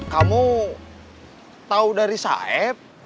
kamu tau dari saeb